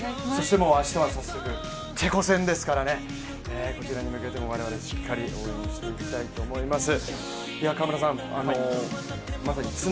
もう明日は早速チェコ戦ですから、こちらに向けても我々、しっかり応援していきたいと思います。